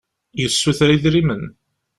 Yessuter idrimen.